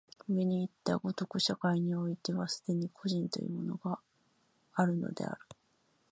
上にいった如く、社会においては既に個人というものがあるのである。